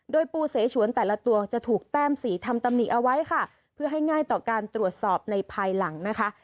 โดยปูเสฉวนแต่ละตัวจะถูกแต้มสีทำตำหนิเอาไว้ค่ะเพื่อให้ง่ายต่อการตรวจสอบในภายหลังนะคะ